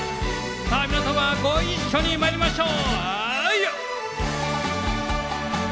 さあ皆様ご一緒にまいりましょう！